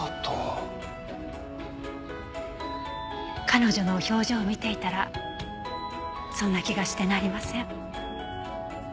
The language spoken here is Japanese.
彼女の表情を見ていたらそんな気がしてなりません。